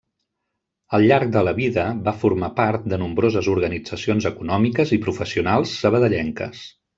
Al llarg de la vida, va formar part de nombroses organitzacions econòmiques i professionals sabadellenques.